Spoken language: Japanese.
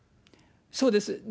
そうです。